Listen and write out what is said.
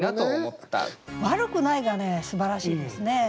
「わるくない」がすばらしいですね。